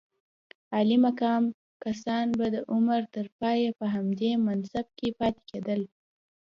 عالي مقام کسان به د عمر تر پایه په همدې منصب کې پاتې کېدل.